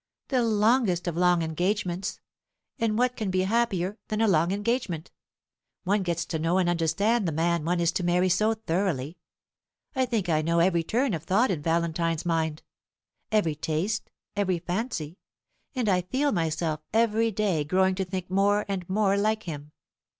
"The longest of long engagements. And what can be happier than a long engagement? One gets to know and understand the man one is to marry so thoroughly. I think I know every turn of thought in Valentine's mind; every taste, every fancy; and I feel myself every day growing to think more and more like him.